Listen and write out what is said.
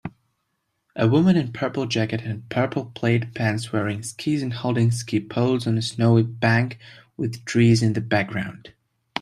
A woman in purple jacket and purple plaid pants wearing skis and holding ski poles on a snowy bank with trees in the background